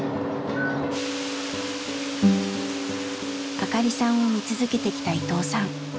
明香里さんを見続けてきた伊藤さん。